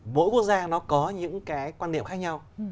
mỗi quốc gia nó có những cái quan niệm khác nhau